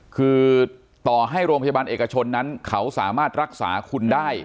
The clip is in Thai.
คือต่อให้โรงพยาบาลเอกชนนั้นเขาสามารถรักษาคุณได้